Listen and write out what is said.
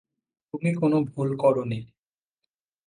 তুমি কোনো ভুল করোনি।